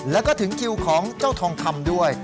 แล้วก็ถึงคิวของเจ้าทองคำด้วย